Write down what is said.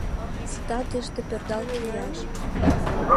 — Сита тыште пӧрдал кияш.